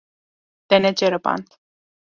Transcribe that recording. Te neceriband.